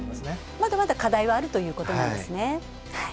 まだまだ課題はあるということなんですね。